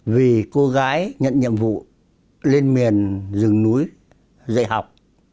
vì cô gái nhận nhiệm vụ lên miền rừng núi dạy học